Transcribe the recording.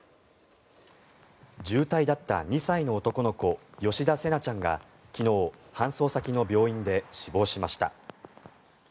重体だった２歳の男の子吉田成那ちゃんが昨日、搬送先の病院で死亡しました。